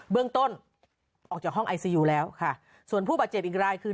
เบื้องต้นออกจากห้องไอซียูแล้วค่ะส่วนผู้บาดเจ็บอีกรายคือ